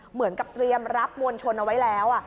เหมือนกับเตรียมรับมวลชนเอาไว้แล้ว